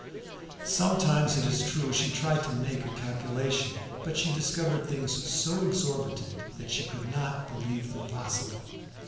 Sometimes, it is true, she tried to make a calculation, but she discovered things so exorbitant that she could not believe them possible.